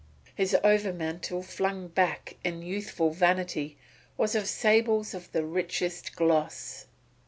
His over mantle flung back in youthful vanity was of sables of the richest gloss.